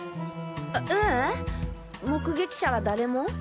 ううん目撃者は誰も？